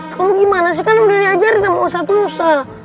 kalo gimana sih kan udah diajarin sama usah usah